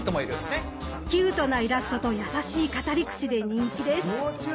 キュートなイラストと優しい語り口で人気です。